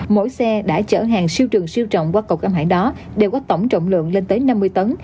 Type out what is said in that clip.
mỗi xe đã chở hàng siêu trường siêu trọng qua cầu găm hải đó đều có tổng trọng lượng lên tới năm mươi tấn